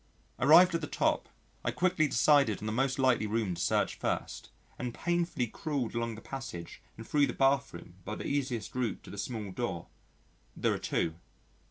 Arrived at the top, I quickly decided on the most likely room to search first, and painfully crawled along the passage and thro' the bathroom by the easiest route to the small door there are two.